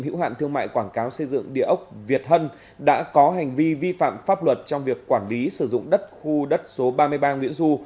hữu hạn thương mại quảng cáo xây dựng địa ốc việt hân đã có hành vi vi phạm pháp luật trong việc quản lý sử dụng đất khu đất số ba mươi ba nguyễn du